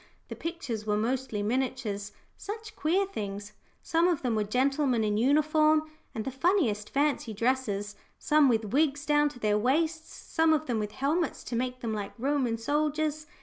The pictures were mostly miniatures such queer things some of them were; gentlemen in uniform and the funniest fancy dresses, some with wigs down to their waists, some of them with helmets to make them like Roman soldiers.